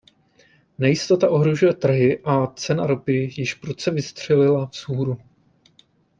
Nejistota ohrožuje trhy a cena ropy již prudce vystřelila vzhůru.